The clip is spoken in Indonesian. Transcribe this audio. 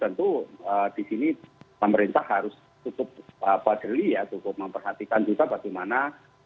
tentu di sini pemerintah harus cukup deli ya cukup memperhatikan juga bagaimana